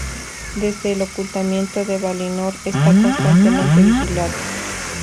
Desde el Ocultamiento de Valinor está constantemente vigilado.